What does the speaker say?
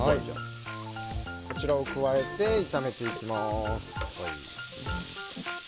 こちらを加えて炒めていきます。